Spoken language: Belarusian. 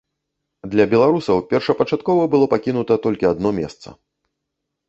Для беларусаў першапачаткова было пакінута толькі адно месца.